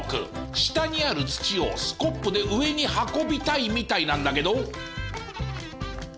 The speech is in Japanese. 下にある土をスコップで上に運びたいみたいなんだけど。